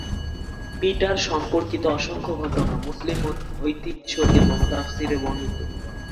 Peter সম্পর্কিত অসংখ্য ঘটনা মুসলিম ঐতিহ্য এবং তাফসীরে বর্ণিত।